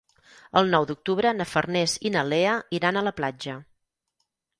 El nou d'octubre na Farners i na Lea iran a la platja.